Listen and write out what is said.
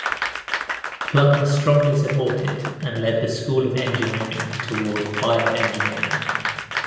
Plummer strongly supported and led the School of Engineering toward bioengineering.